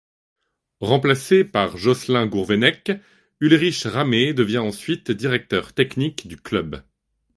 Remplacé par Jocelyn Gourvennec, Ulrich Ramé devient ensuite Directeur Technique du Club.